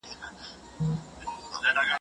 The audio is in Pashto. غله په خیبر کي خلک لوټي.